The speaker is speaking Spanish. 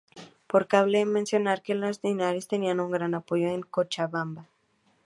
Pues cabe mencionar que Linares tenía un gran apoyo en Cochabamba.